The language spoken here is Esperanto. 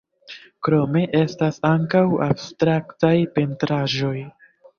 Krome, estas ankaŭ abstraktaj pentraĵoj.